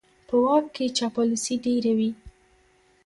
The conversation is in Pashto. په واک کې چاپلوسي ډېره وي.